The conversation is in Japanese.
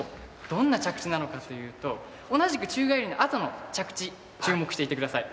どんな着地なのかというと同じく宙返りのあとの着地に注目していてください。